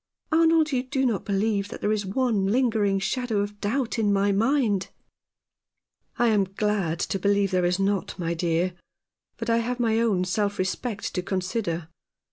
Arnold, you do not believe that there is one lingering shadow of doubt in my mind ?" "I am glad to believe there is not, my dear; but I have my own self respect to consider.